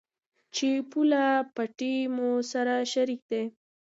چې پوله، پټي مو سره شريک دي.